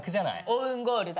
オウンゴールだ。